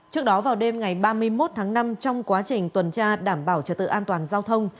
trước đó vào đêm ngày ba mươi một tháng năm trong quá trình tuần tra đảm bảo trật tự an toàn giao thông